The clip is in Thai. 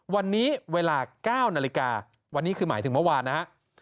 วันนี้เวลา๙นาฬิกาวันนี้คือหมายถึงเมื่อวานนะฮะ